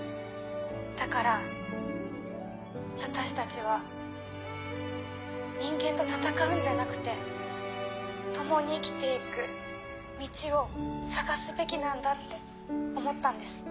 だから私たちは人間と戦うんじゃなくて共に生きて行く道を探すべきなんだって思ったんです。